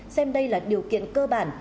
xem đây là điều kiện cơ bản